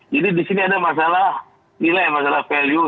jadi di sini ada masalah nilai masalah value